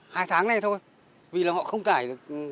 hai tháng này thôi vì là họ không cải